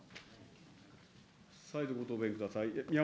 再度ご答弁ください。